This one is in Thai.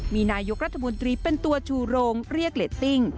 มีนายกรัฐมนตรีเป็นตัวชูโรงเรียกเรตติ้ง